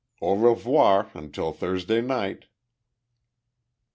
Au revoir, until Thursday night."